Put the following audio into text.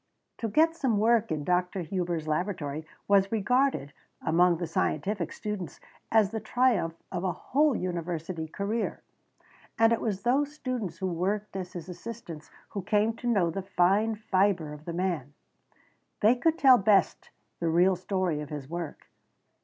To get some work in Dr. Hubers' laboratory was regarded, among the scientific students, as the triumph of a whole university career. And it was those students who worked as his assistants who came to know the fine fibre of the man. They could tell best the real story of his work.